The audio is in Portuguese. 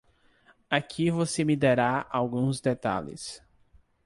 Aqui você me dará alguns detalhes.